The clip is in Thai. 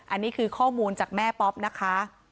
อันนี้คือข้อมูลจากแม่ป๊อปนะคะ